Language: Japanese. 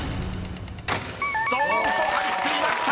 ［どーんと入っていました！］